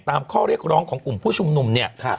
ข้อเรียกร้องของกลุ่มผู้ชุมนุมเนี่ย